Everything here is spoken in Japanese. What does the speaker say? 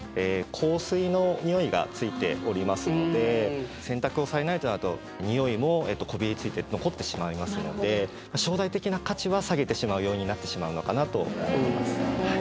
香水の匂いがついておりますので洗濯をされないとなると匂いもこびりついて残ってしまいますので将来的な価値は下げてしまうようになってしまうのかなと思います